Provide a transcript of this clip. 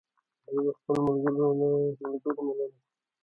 زه له خپلو ملګرو مننه کوم.